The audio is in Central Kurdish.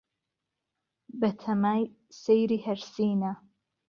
به تهمای سهیری ههرسینه